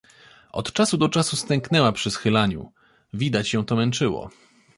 Od czasu do czasu stęknęła przy schylaniu, widać ją to męczyło.